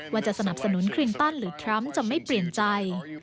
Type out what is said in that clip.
ว่าจะสนับสนุนคลินตันหรือทรัมป์จะไม่เปลี่ยนใจ